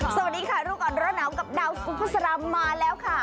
สวัสดีค่ะรู้ก่อนร้อนหนาวกับดาวสุภาษามาแล้วค่ะ